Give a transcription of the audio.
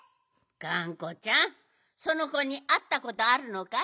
がんこちゃんそのこにあったことあるのかい？